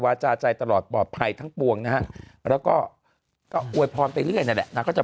วาจาใจตลอดปลอดภัยทั้งปวงนะแล้วก็ไปเรื่อยเนี่ยนะก็จะ